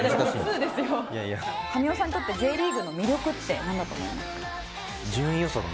神尾さんにとってＪリーグの魅力ってなんだと思いますか？